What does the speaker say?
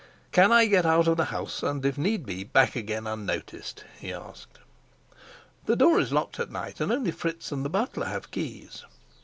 "Can I get out of the house, and, if need be, back again unnoticed?" he asked. "The door is locked at night, and only Fritz and the butler have keys." Mr.